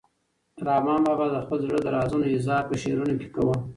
رحمان بابا د خپل زړه د رازونو اظهار په شعرونو کې کاوه.